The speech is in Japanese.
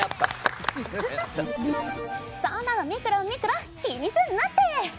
そんなのミクロンミクロン気にすんなって！